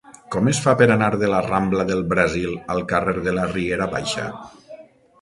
Com es fa per anar de la rambla del Brasil al carrer de la Riera Baixa?